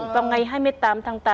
vào ngày hai mươi tám tháng tám